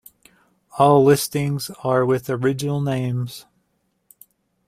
All listings are with original names.